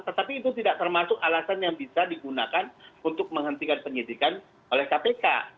tetapi itu tidak termasuk alasan yang bisa digunakan untuk menghentikan penyidikan oleh kpk